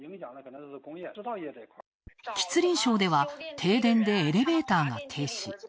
吉林省では、停電でエレベーターが停止。